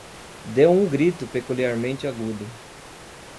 Deu um grito peculiarmente agudo.